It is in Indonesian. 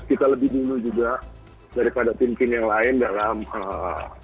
kita lebih jurnal juga daripada tim tim yang lain dalam final